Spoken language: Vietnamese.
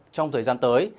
trong thời gian tới